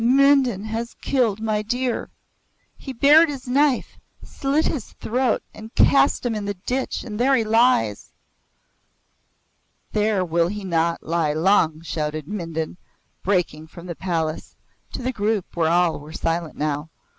"Mindon has killed my deer. He bared his knife, slit his throat and cast him in the ditch and there he lies." "There will he not lie long!" shouted Mindon, breaking from the palace to the group where all were silent now.